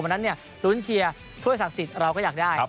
วันนั้นลุ้นเชียร์ถ้วยศักดิ์สิทธิ์เราก็อยากได้